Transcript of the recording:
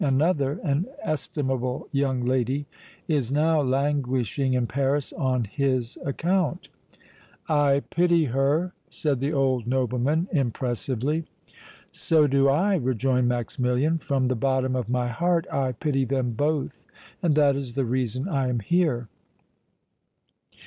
Another, an estimable young lady, is now languishing in Paris on his account." "I pity her!" said the old nobleman, impressively. "So do I," rejoined Maximilian; "from the bottom of my heart I pity them both and that is the reason I am here."